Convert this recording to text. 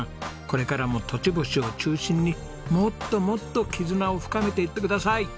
これからも栃星を中心にもっともっと絆を深めていってください。